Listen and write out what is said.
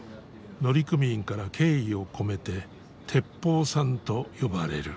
乗組員から敬意を込めててっぽうさんと呼ばれる。